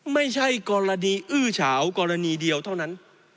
ไม่ใช่กรณีอื้อเฉากรณีเดียวเท่านั้น